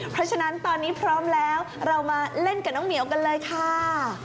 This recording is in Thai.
เพราะฉะนั้นตอนนี้พร้อมแล้วเรามาเล่นกับน้องเหมียวกันเลยค่ะ